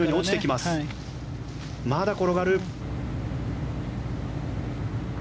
まだ転がる。